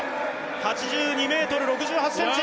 ８２ｍ６８ｃｍ！